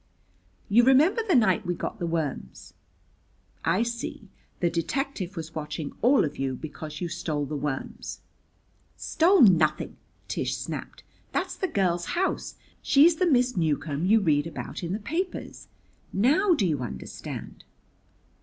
"You remember the night we got the worms?" "I see. The detective was watching all of you because you stole the worms." "Stole nothing!" Tish snapped. "That's the girl's house. She's the Miss Newcomb you read about in the papers. Now do you understand?"